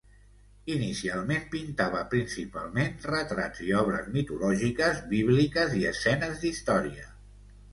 Inicialment pintava principalment retrats i obres mitològiques, bíbliques i escenes d'història.